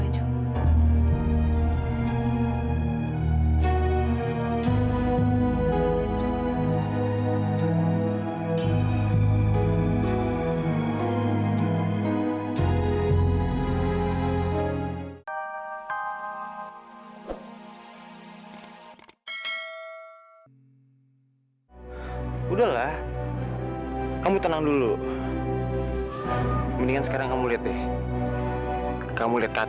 sampai jumpa di video selanjutnya